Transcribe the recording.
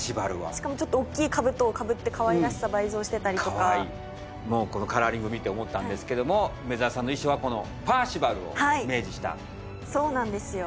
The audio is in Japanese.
しかもおっきい兜をかぶってかわいらしさ倍増してたりとかもうこのカラーリング見て思ったんですけども梅澤さんの衣装はこのパーシバルをイメージしたそうなんですよ